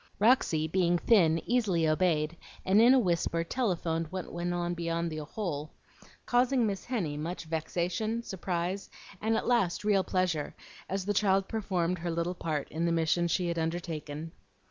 Roxy, being thin, easily obeyed, and in a whisper telephoned what went on beyond the hole, causing Miss Henny much vexation, surprise, and at last real pleasure, as the child performed her little part in the mission she had undertaken.